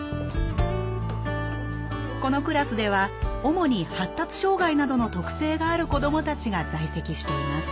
このクラスでは主に発達障害などの特性がある子どもたちが在籍しています。